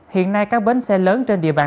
hiện nay các bến xe lớn trên địa bàn